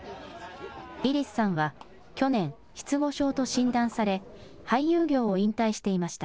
ウィリスさんは去年、失語症と診断され、俳優業を引退していました。